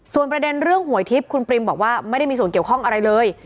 ส่วนประเด็นเรื่องหวยทิพย์คุณปริมบอกว่าไม่ได้มีส่วนเกี่ยวข้องอะไรเลย